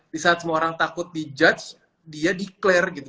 di saat semua orang takut di judge dia declare gitu